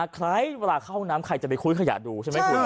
คล้ายเวลาเข้าห้องน้ำใครจะไปคุ้ยขยะดูใช่ไหมคุณ